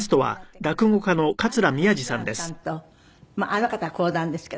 あの方は講談ですけど。